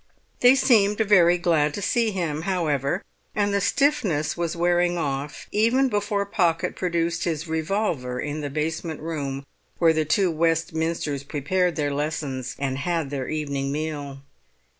They seemed very glad to see him, however, and the stiffness was wearing off even before Pocket produced his revolver in the basement room where the two Westminsters prepared their lessons and had their evening meal.